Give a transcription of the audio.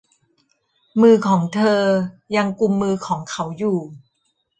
มือของเธอยังกุมมือของเขาอยู่